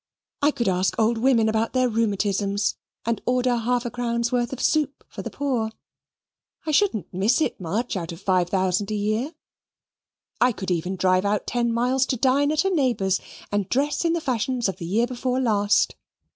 I could ask old women about their rheumatisms and order half a crown's worth of soup for the poor. I shouldn't miss it much, out of five thousand a year. I could even drive out ten miles to dine at a neighbour's, and dress in the fashions of the year before last.